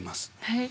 はい。